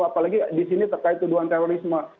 apalagi di sini terkait tuduhan terorisme